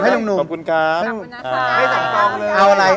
ให้สังครองเลย